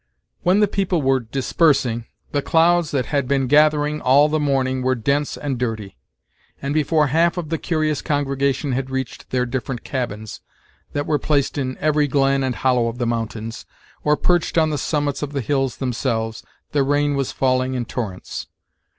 When the people were dispersing, the clouds that had been gathering all the morning were dense and dirty, and before half of the curious congregation had reached their different cabins, that were placed in every glen and hollow of the mountains, or perched on the summits of the hills themselves, the rain was falling in torrents.